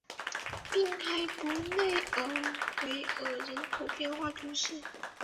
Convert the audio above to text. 滨海伯内尔维尔人口变化图示